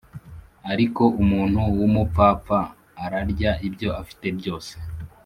ariko umuntu wumupfapfa ararya ibyo afite byose